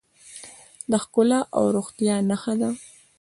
د ښکلا او روغتیا نښه ده.